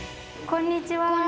こんにちは。